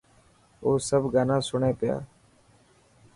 او سب گانا سڻي پيا.